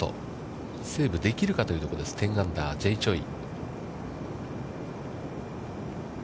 セーブできるかというところです、１０アンダー、Ｊ・チョイ。